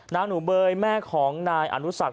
หนูเบยแม่ของนายอนุสัก